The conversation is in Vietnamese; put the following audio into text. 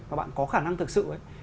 và bạn có khả năng thực sự ấy